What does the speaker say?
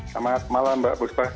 selamat malam mbak buspa